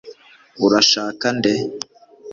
urashaka nde